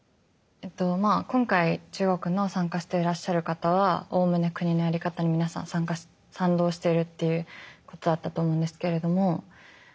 今回中国の参加していらっしゃる方はおおむね国のやり方に皆さん賛同しているっていうことだったと思うんですけれども。